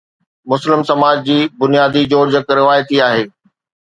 مسلم سماج جي بنيادي جوڙجڪ روايتي آهي.